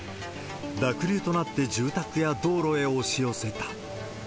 濁流となって住宅や道路へ押し寄せた。